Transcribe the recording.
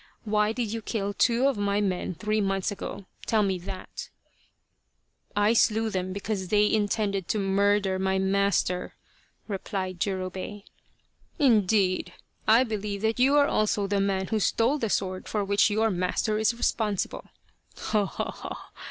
Why did you kill two of my men three months ago tell me that ?"" I slew them because they intended to murder my master," replied Jurobei. " Indeed ! I believe that you are also the man who stole the sword for which your master is responsible ho, ho, ho